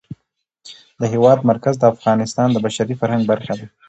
د هېواد مرکز د افغانستان د بشري فرهنګ برخه ده.